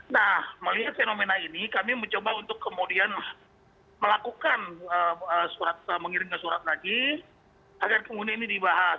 nah melihat fenomena ini kami mencoba untuk kemudian melakukan mengirimkan surat lagi agar kemudian ini dibahas